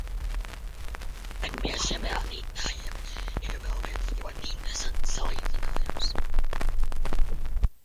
Bet pie šiem rādītājiem ir vēl viens ļoti interesants salīdzinājums.